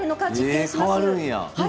変わるんや。